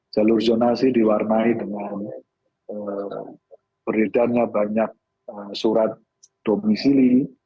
jalur zonasi diwarnai dengan berbeda nya banyak surat domen